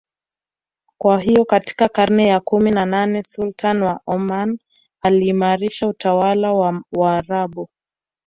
Kwahiyo katika karne ya kumi na nane Sultan wa Oman aliimarisha utawala wa waarabu